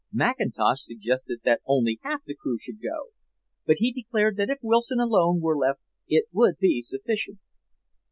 Mackintosh suggested that only half the crew should go, but he declared that if Wilson alone were left it would be sufficient."